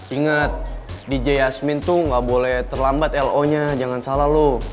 ingat dj yasmin tuh gak boleh terlambat lo nya jangan salah lo